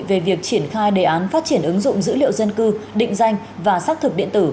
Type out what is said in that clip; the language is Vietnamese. về việc triển khai đề án phát triển ứng dụng dữ liệu dân cư định danh và xác thực điện tử